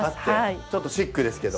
ちょっとシックですけど。